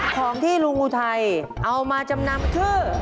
ของที่ลุงอุทัยเอามาจำนำคือ